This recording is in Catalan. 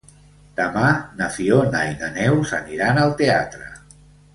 Demà na Fiona i na Neus aniran al teatre.